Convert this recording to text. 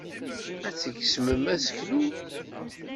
Ad tgezmem aseklu.